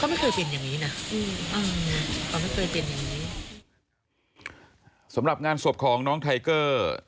ไม่เคยเป็นอย่างงี้นะอืมอ่าแต่ไม่เคยเป็นอย่างงี้สำหรับงานศพของน้องไทเกอร์